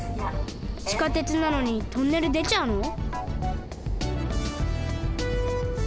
地下鉄なのにトンネルでちゃうの？